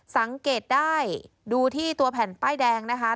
สังเกตได้ดูที่ตัวแผ่นป้ายแดงนะคะ